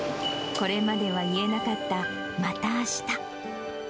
これまでは言えなかった、またあした。